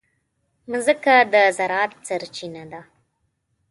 مځکه د زراعت سرچینه ده.